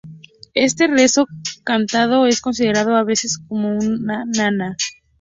Este rezo cantado es considerado a veces como una nana.